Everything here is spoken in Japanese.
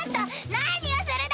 何をするだ！